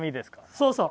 そうそう。